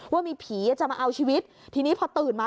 ว่ามีผีจะมาเอาชีวิตทีนี้พอตื่นมา